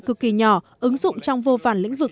cực kỳ nhỏ ứng dụng trong vô vàn lĩnh vực